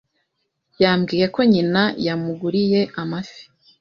Yambwiye ko nyina yamuguriye amafi.